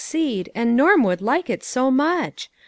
ceed ; and Norm would like it so much.